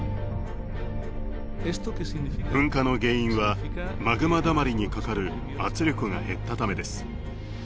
噴火の原因はマグマだまりにかかる圧力が減ったためです。